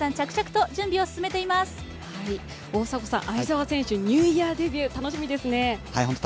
相澤選手、ニューイヤーデビュー楽しみですね。